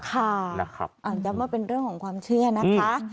ย้ำว่าเป็นเรื่องของความเชื่อนะคะ